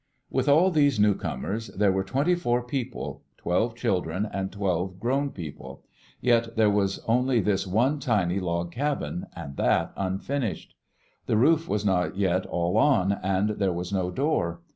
With all these newcomers, there were twenty four peo ple — twelve children and twelve grown people. Yet there was only this one tiny log cabin, and that unfinished. The roof was not yet all on, and there was no door.